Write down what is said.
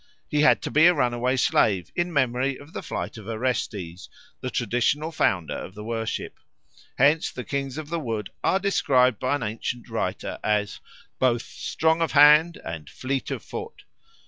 He had to be a runaway slave in memory of the flight of Orestes, the traditional founder of the worship; hence the Kings of the Wood are described by an ancient writer as "both strong of hand and fleet of foot."